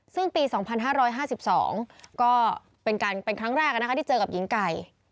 ซึ่งปี๒๕๕๒ก็เป็นครั้งแรกที่เจอกับหญิงไก่